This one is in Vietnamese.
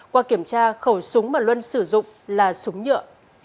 qua kiểm tra khẩu súng mà luân sử dụng là súng nhựa